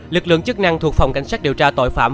lực lượng chức năng thuộc phòng cảnh sát điều tra tội phạm